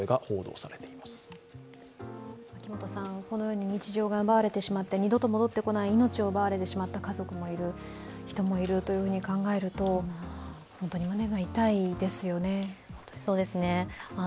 このように日常が奪われてしまって二度と戻ってこない命を奪われてしまったという家族もいる、人もいると考えると、本当に胸が痛いですよね。